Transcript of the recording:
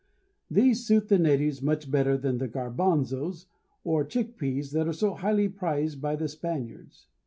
These suit the natives much better than the garbanzos, or chick peas, that are so highly prized by the Spaniards.